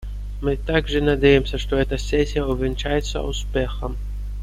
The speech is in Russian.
Мы также надеемся, что эта сессия увенчается успехом.